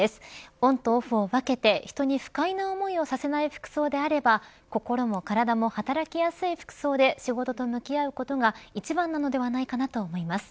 オンとオフを分けて、人に不快な思いをさせない服装であれば心も体も働きやすい服装で仕事と向き合うことが一番なのではないかなと思います。